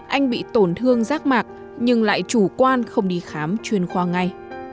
anh bị tổn thương rác mạc nhưng lại chủ quan không đi khám chuyên khoa ngay